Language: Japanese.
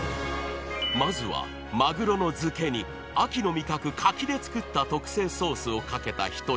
［まずはマグロの漬けに秋の味覚柿で作った特製ソースを掛けた一品］